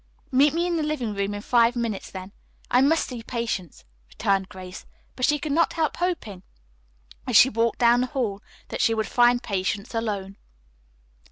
"Meet me in the living room in five minutes, then. I must see Patience," returned Grace, but she could not help hoping as she walked down the hall that she would find Patience alone.